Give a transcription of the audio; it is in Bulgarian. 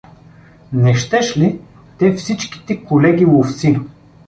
Не щеш ли, те всичките колеги-ловци.